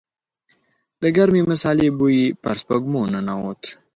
د ګرمې مسالې بوی يې پر سپږمو ننوت.